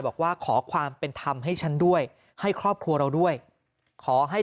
บอกว่าขอความเป็นธรรมให้ฉันด้วยให้ครอบครัวเราด้วยขอให้